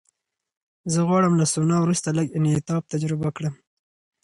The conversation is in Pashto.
زه غواړم له سونا وروسته لږ انعطاف تجربه کړم.